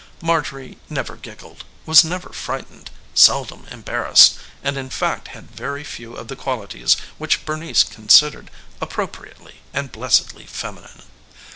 Marjorie never giggled, was never frightened, seldom embarrassed, and in fact had very few of the qualities which Bernice considered appropriately and blessedly feminine.